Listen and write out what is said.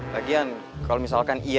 lagian kalau misalkan ianya